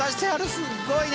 すっごいね！